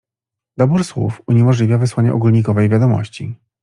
"Dobór słów uniemożliwia wysłanie ogólnikowej wiadomości."